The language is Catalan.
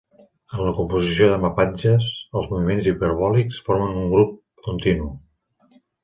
En la composició de mapatges, els moviments hiperbòlics formen un grup continu.